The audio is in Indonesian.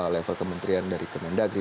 level kementerian dari kemen dagri